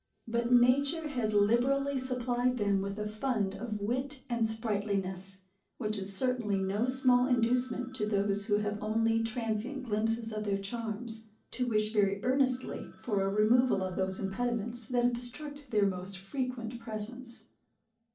But nature has liberally supplied them with a fund of wit and sprightliness, which is certainly no small inducement to those, who have only transient glimpses of their charms, to wish very earnestly for a removal of those impediments, that obstruct their more frequent presence.